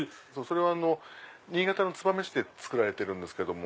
それは新潟の燕市で作られてるんですけども。